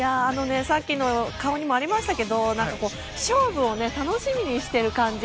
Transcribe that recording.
さっきの顔にもありましたけれども勝負を楽しみにしている感じ。